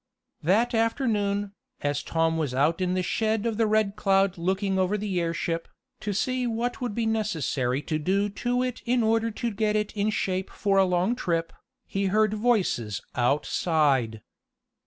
That afternoon, as Tom was out in the shed of the Red Cloud looking over the airship, to see what would be necessary to do to it in order to get it in shape for a long trip, he heard voices outside.